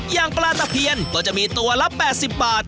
อย่างปลาตะเพียนก็จะมีตัวละ๘๐บาท